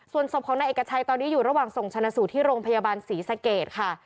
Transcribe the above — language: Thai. ส่วนศพของนายเอกชัยตอนนี้อยู่ระหว่างส่งชนะสูตรที่โรงพยาบาลศรีสเกตค่ะ